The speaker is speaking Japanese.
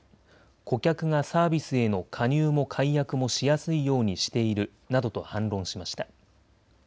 顧客がサービスへの加入も解約もしやすいようにしているなどと反論しました。